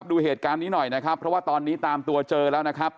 ดูเหตุการณ์นี้หน่อยนะครับเพราะว่าตอนนี้ตามตัวเจอแล้วนะครับ